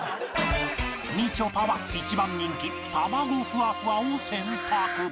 みちょぱは一番人気玉子ふわふわを選択